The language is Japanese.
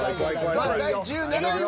さあ第１７位は？